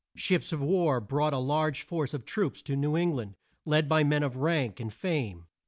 Ships of war brought a large force of troops to New Eng land, led by men of rank and fame.